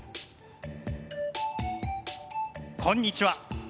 こんにちは。